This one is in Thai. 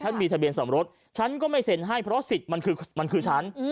มีทะเบียนสมรสฉันก็ไม่เซ็นให้เพราะสิทธิ์มันคือมันคือฉัน